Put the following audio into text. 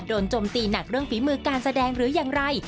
โจมตีหนักเรื่องฝีมือการแสดงหรืออย่างไร